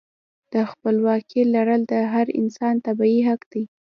د خپلواکۍ لرل د هر انسان طبیعي حق دی.